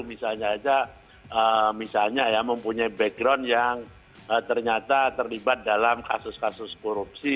misalnya saja misalnya ya mempunyai background yang ternyata terlibat dalam kasus kasus korupsi